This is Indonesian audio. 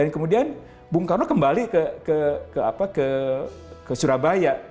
kemudian soekarno kembali ke surabaya